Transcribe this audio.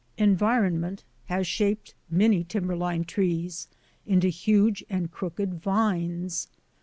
Environment has shaped many timberline trees into huge and crooked vines.